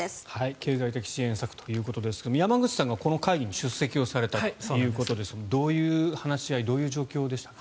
経済的支援策ということですが山口さんがこの会議に出席されたということですがどういう話し合いどういう状況でした？